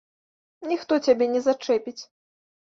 Ніхто цябе не зачэпіць.